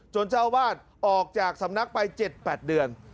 เจ้าวาดออกจากสำนักไป๗๘เดือน